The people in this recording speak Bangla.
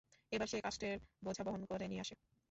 এবার সে কাষ্ঠের বোঝা বহন করে নিয়ে আসে।